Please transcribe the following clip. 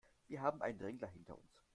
Wir haben einen Drängler hinter uns.